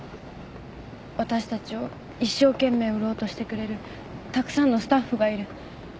私たちを一生懸命売ろうとしてくれるたくさんのスタッフがいる。